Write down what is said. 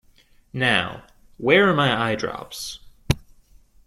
Now, where are my eyedrops?